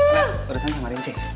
nah urusan sama rince